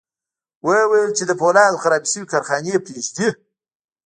ويې ويل چې د پولادو خرابې شوې کارخانې پرېږدي.